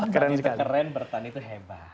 keren bertani itu hebat